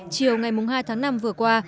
chiều ngày hai tháng năm vừa qua